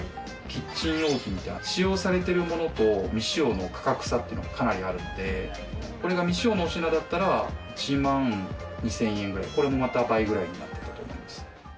キッチン用品って使用されているものと、未使用の価格差というのがかなりあるので、これが未使用のお品だったら１万２０００円ぐらい、これもまた倍ぐらいになっていたと思います。